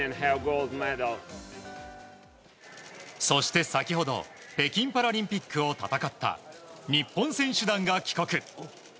そして、先ほど北京パラリンピックを戦った日本選手団が帰国。